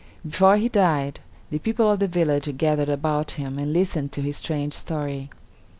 Before he died, the people of the village gathered about him and listened to his strange story.